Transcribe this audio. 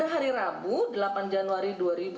hari rabu delapan januari dua ribu dua puluh